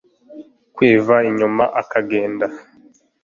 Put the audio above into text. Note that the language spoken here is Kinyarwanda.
kwiva inyuma ukagenda